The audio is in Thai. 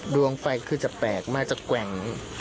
ดวงไฟคือจะแปลกมากจะแกว่ง